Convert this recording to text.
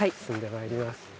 進んでまいります。